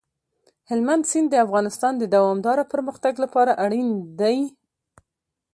هلمند سیند د افغانستان د دوامداره پرمختګ لپاره اړین دي.